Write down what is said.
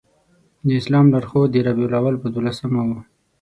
د اسلام لار ښود د ربیع الاول په دولسمه و.